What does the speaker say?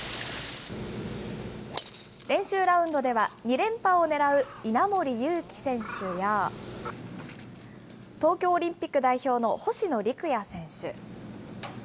練習ラウンドでは、２連覇を狙う稲森佑貴選手や、東京オリンピック代表の星野陸也選手。